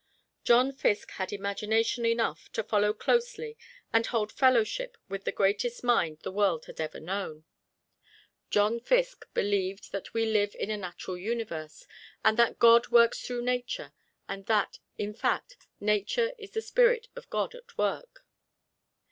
John Fiske had imagination enough to follow closely and hold fellowship with the greatest minds the world has ever known. John Fiske believed that we live in a natural universe, and that God works through Nature, and that, in fact, Nature is the spirit of God at work.